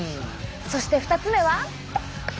そして２つ目はこれ！